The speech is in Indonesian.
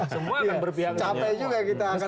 semua akan berpihak ke jakarta post